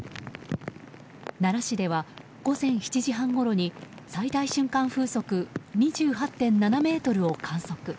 奈良市では午前７時半ごろに最大瞬間風速２８．７メートルを観測。